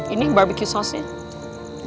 ini barbecue sauce nya